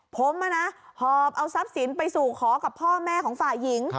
ผมหอบเอาทรัพย์สินไปสู่ขอกับพ่อแม่ของฝ่ายหญิง